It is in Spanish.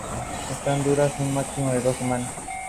Estas duran un máximo de dos semanas.